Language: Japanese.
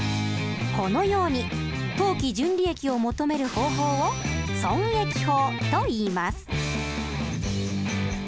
このように当期純利益を求める方法を損益法といいます。